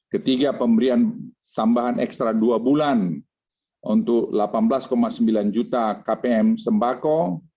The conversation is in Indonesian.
ketiga pemberian tambahan ekstra dua bulan untuk delapan belas sembilan juta kpm sembako